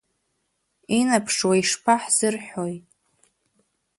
Инаԥшуа ишԥаҳзырҳәои?